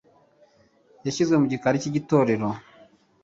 Yashyizwe mu gikari cyitorero